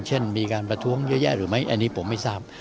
เช่นมีการประท้วงเยอะแยะหรือไม่อันนี้ผมไม่ทราบ